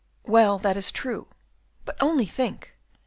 "Well, that is true; but only think!